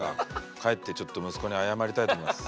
帰ってちょっと息子に謝りたいと思います。